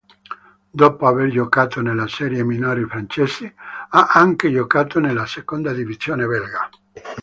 Dopo aver giocato nelle serie minori francesi, ha anche giocato nella seconda divisione belga.